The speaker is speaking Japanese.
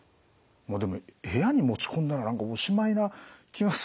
でも部屋に持ち込んだらおしまいな気がするんですよね。